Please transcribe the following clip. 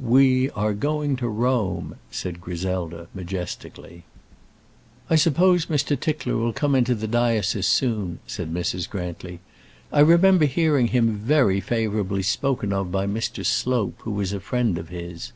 "We are going to Rome," said Griselda, majestically. "I suppose Mr. Tickler will come into the diocese soon," said Mrs. Grantly. "I remember hearing him very favourably spoken of by Mr. Slope, who was a friend of his."